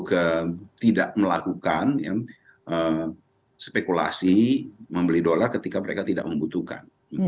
juga tidak melakukan spekulasi membeli dolar ketika mereka tidak membutuhkan